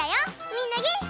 みんなげんき？